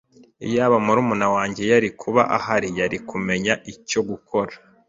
Iyaba murumuna wanjye yari kuba ahari, yari kumenya icyo gukora.